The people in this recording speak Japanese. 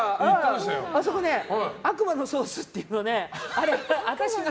あそこね、悪魔のソースという。